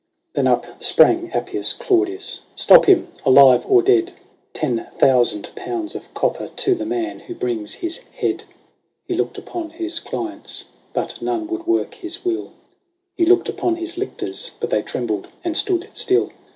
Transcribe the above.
Then up sprang Appius Claudius :" Stop him; alive or dead! Ten thousand pounds of copper to the man who brings his head." 170 LAYS OF ANCIENT ROME. He looked upon his clients ; but none would work his will. He looked upon his lictors ; but they trembled, and stood still.